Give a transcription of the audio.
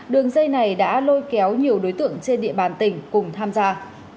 đường dây này đã lôi kéo nhiều đối tượng trên địa bàn tỉnh cùng tham gia